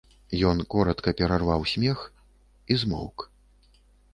Ён коратка перарваў смех і змоўк.